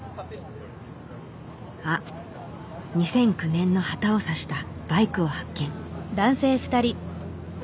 あっ２００９年の旗を挿したバイクを発見。